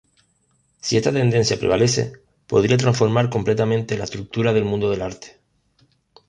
Si esta tendencia prevalece, podría transformar completamente la estructura del mundo del arte.